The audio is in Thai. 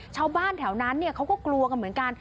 ชาวบ้านแถวนั้นเขาก็กลัวกันเหมือนกัน